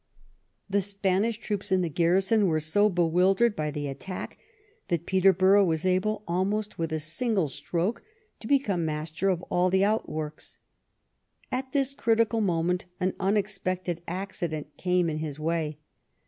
The Spanish troops in the garrison were so bewildered by the attack that Peterborough was able, almost with a single stroke, to become master of all the outworks. At this critical moment an unexpected accident came in his way.